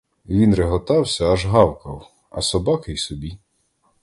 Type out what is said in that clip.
Він реготався, аж гавкав, а собаки й собі!